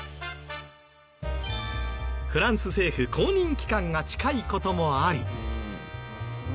フランス政府公認機関が近い事もあり。